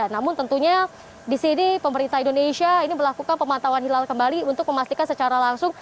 namun tentunya di sini pemerintah indonesia ini melakukan pemantauan hilal kembali untuk memastikan secara langsung